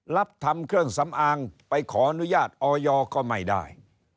รับทำเครื่องสำอางไปขออนุญาตออยก็ไม่ได้